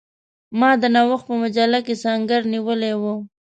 ما د نوښت په مجله کې سنګر نیولی وو.